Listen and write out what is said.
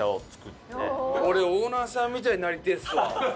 俺オーナーさんみたいになりてえっすわ。